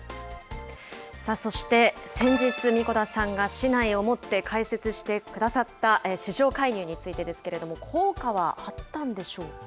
そして先日、神子田さんが竹刀を持って解説をしてくださった市場介入についてですけれども、効果はあったんでしょうか。